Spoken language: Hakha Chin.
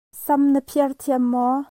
Sam na phiar thiam maw?